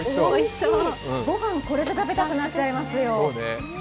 ご飯、これで食べたくなっちゃいますよ。